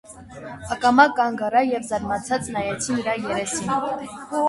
Ակամա կանգ առա և զարմացած նայեցի նրա երեսին: